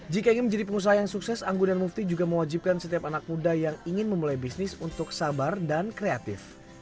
jika ingin menjadi pengusaha yang sukses anggunan mufti juga mewajibkan setiap anak muda yang ingin memulai bisnis untuk sabar dan kreatif